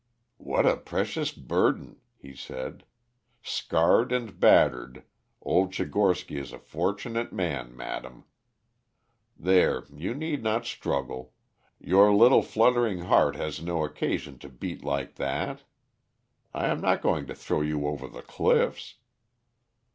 "What a precious burden!" he said. "Scarred and battered, old Tchigorsky is a fortunate man, madam. There, you need not struggle; your little fluttering heart has no occasion to beat like that. I am not going to throw you over the cliffs."